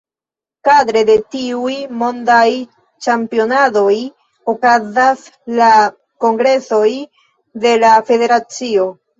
Kadre de tiuj mondaj ĉampionadoj okazas la kongresoj de la federacio.